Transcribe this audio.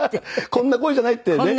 こんな声じゃないってね。